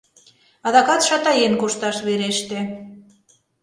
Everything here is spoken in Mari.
Адакат шатаен кошташ вереште.